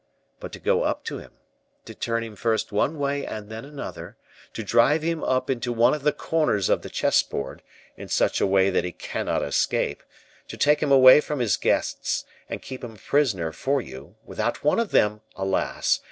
But to go up to him, to turn him first one way and then another, to drive him up into one of the corners of the chess board, in such a way that he cannot escape; to take him away from his guests, and keep him a prisoner for you, without one of them, alas!